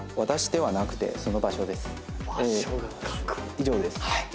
以上です。